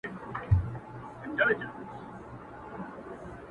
• ستا د غرور حسن ځوانۍ په خـــاطــــــــر.